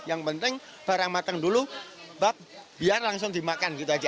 yang penting barang matang dulu bab biar langsung dimakan gitu aja